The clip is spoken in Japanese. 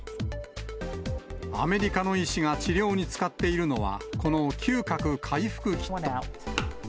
アメリカの医師が治療に使っているのは、この嗅覚回復キット。